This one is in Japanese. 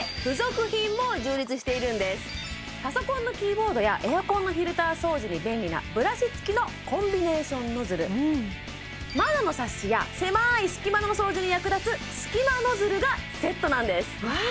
そしてパソコンのキーボードやエアコンのフィルター掃除に便利なブラシ付きの窓のサッシや狭い隙間の掃除に役立つ隙間ノズルがセットなんです